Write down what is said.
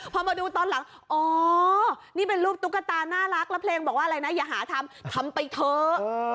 พอมาดูตอนหลังอ๋อนี่เป็นรูปตุ๊กตาน่ารักแล้วเพลงบอกว่าอะไรนะอย่าหาทำทำไปเถอะ